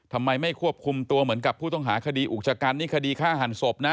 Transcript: ทำไมไม่ควบคุมตัวเหมือนกับผู้ต้องหาคดีอุกชะกันนี่คดีฆ่าหันศพนะ